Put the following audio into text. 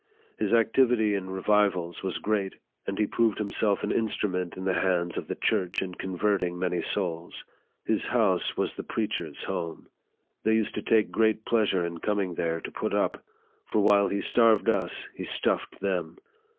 His activity in revivals was great, and he proved himself an instrument in the hands of the church in converting many souls. His house was the preachers' home. They used to take great pleasure in coming there to put up ; for while he starved us, he stuffed them.